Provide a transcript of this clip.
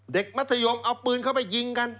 มัธยมเอาปืนเข้าไปยิงกัน